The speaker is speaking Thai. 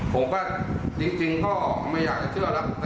ผมว่าจริงก็ไม่อยากจะเชื่อแล้ว